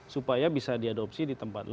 supaya bisa diadopsi di tempat lain